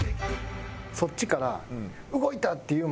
そっちから。